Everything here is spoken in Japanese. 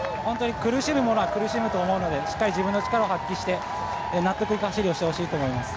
苦しむものは苦しむと思うのでしっかり自分の力を発揮して納得いく走りをしてほしいと思います。